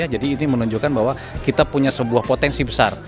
jadi ini menunjukkan bahwa kita punya sebuah potensi besar